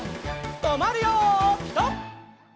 とまるよピタ！